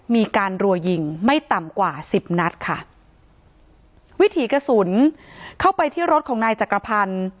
มีการรัวยิงไม่ต่ำกว่าสิบนัดค่ะวิถีกระสุนเข้าไปที่รถของนายจักรพันธ์